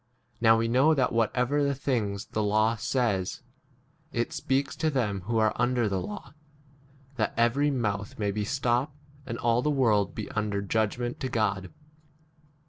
Now we know that whatever the things the law says, it speaks to them who [are] under k the law, that every mouth may be stopped, and all the world be 1 under judgment to God.